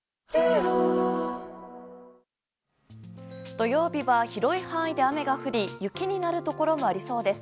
土曜日は広い範囲で雨が降り雪になるところもありそうです。